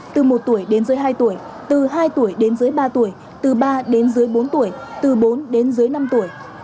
từ một tuổi đến dưới hai tuổi từ hai tuổi đến dưới ba tuổi từ ba đến dưới bốn tuổi từ bốn đến dưới năm tuổi